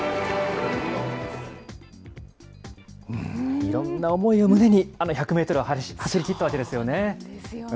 いろんな思いを胸に、あの１００メートルを走りきったわけでそうなんですよね。